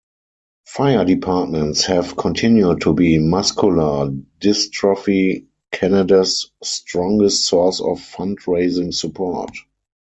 Fire departments have continued to be Muscular Dystrophy Canada's strongest source of fund-raising support.